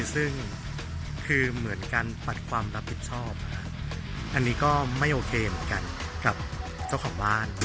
ซึ่งคือเหมือนการปัดความรับผิดชอบอันนี้ก็ไม่โอเคเหมือนกันกับเจ้าของบ้าน